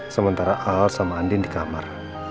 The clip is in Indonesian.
sementara al sama andin di kamar